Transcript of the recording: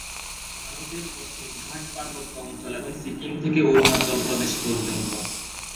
ভারত এর পশ্চিম ঘাট পার্বত্য অঞ্চল এবং সিকিম থেকে অরুনাচল প্রদেশ পর্যন্ত।